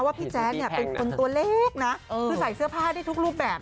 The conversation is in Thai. พี่แจ๊ดเนี่ยเป็นคนตัวเล็กนะคือใส่เสื้อผ้าได้ทุกรูปแบบ